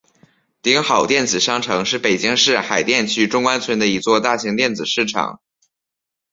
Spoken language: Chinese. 鼎好电子商城是北京市海淀区中关村的一座大型电子市场。